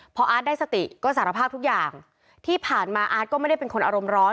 พออาร์ตได้สติก็สารภาพทุกอย่างที่ผ่านมาอาร์ตก็ไม่ได้เป็นคนอารมณ์ร้อน